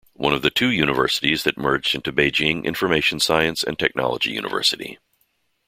One of the two universities that merged into Beijing Information Science and Technology University.